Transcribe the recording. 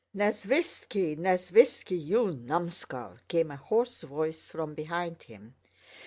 "Nesvítski, Nesvítski! you numskull!" came a hoarse voice from behind him.